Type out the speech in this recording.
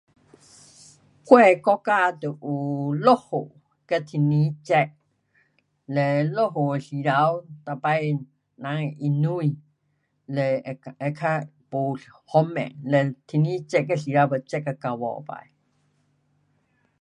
我的国家就有落雨跟天气热，嘞落雨的时头，每次人会淹水，嘞较不方便，嘞天气热的时头又热到够饱起。